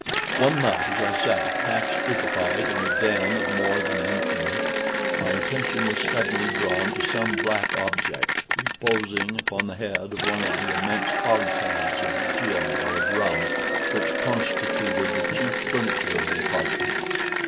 One night as I sat, half stupefied, in a den of more than infamy, my attention was suddenly drawn to some black object, reposing upon the head of one of the immense hogsheads of gin, or of rum, which constituted the chief furniture of the apartment.